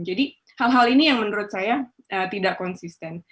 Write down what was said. jadi hal hal ini yang menurut saya tidak konsisten